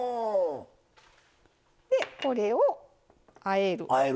で、これをあえる。